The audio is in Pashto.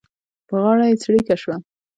په غاړه یې څړيکه شوه.